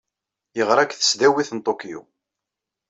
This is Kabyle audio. Yeɣra deg Tesdawit n Tokyo.